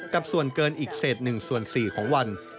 กับส่วนเกินอีกเศษ๑ส่วน๔ของวัน